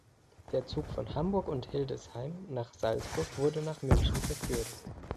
Der Zug von Hamburg und Hildesheim nach Salzburg wurde nach München verkürzt.